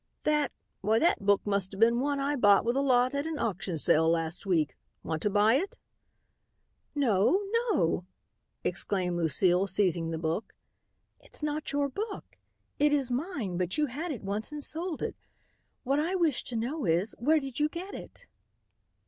"That, why that book must have been one I bought with a lot at an auction sale last week. Want'a buy it?" "No. No!" exclaimed Lucile, seizing the book. "It's not your book. It is mine but you had it once and sold it. What I wish to know is, where did you get it?"